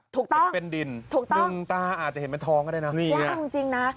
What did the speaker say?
ถูกต้องถูกต้อง๑ตาอาจจะเห็นแม่ท้องก็ได้นะนี่นะว่าจริงนะ